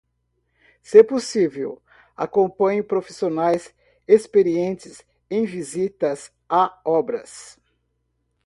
Se possível, acompanhe profissionais experientes em visitas a obras.